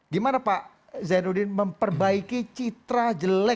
gimana pak zaiduli memperbaiki citra jelas